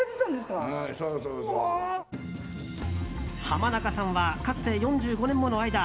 浜中さんはかつて４５年もの間